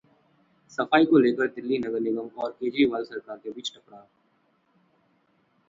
सफाई को लेकर दिल्ली नगर निगम और केजरीवाल सरकार के बीच टकराव